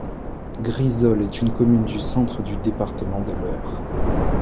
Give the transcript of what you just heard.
Glisolles est une commune du Centre du département de l'Eure.